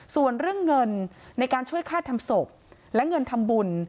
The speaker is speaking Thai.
ส่วนเรื่องเงินในการช่วยฆ่าทำศพและเงินทำบุญ